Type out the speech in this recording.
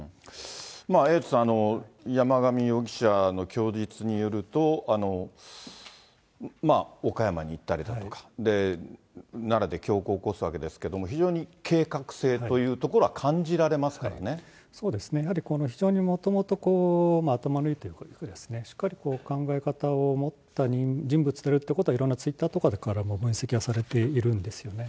エイトさん、山上容疑者の供述によると、岡山に行ったりだとか、奈良で凶行を起こすわけですけれども、非常に計画性というところそうですね、やはり非常にもともと、頭のいいというか、しっかり考え方を持った人物であるということは、いろんなツイッターとかからも分析はされているんですよね。